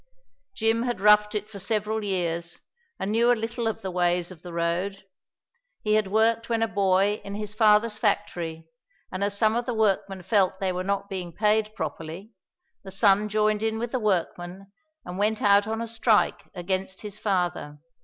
Jim had roughed it for several years and knew a little of the ways of the road. He had worked when a boy in his father's factory and as some of the workmen felt they were not being paid properly the son joined in with the workmen and went out on a strike against his father.